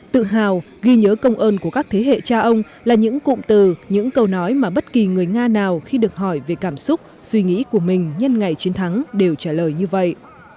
tự hào ghi nhớ công ơn của các thế hệ cha ông là những cụm từ những câu nói mà bất kỳ người nga nào khi được hỏi về cảm xúc suy nghĩ của mình nhân ngày chiến thắng đều trả lời như vậy